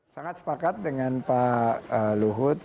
sangat sepakat dengan pak luhut